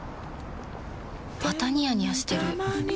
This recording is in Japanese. またニヤニヤしてるふふ。